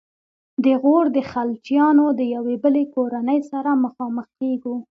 د غور د خلجیانو د یوې بلې کورنۍ سره مخامخ کیږو.